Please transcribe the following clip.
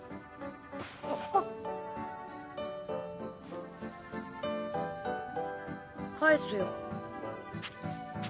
あっ⁉返すよ。